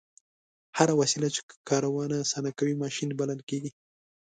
هره وسیله چې کارونه اسانه کوي ماشین بلل کیږي.